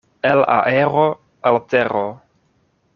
El aero al tero.